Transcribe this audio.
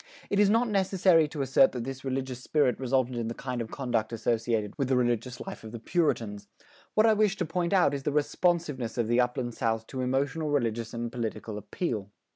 It is not necessary to assert that this religious spirit resulted in the kind of conduct associated with the religious life of the Puritans. What I wish to point out is the responsiveness of the Upland South to emotional religious and political appeal.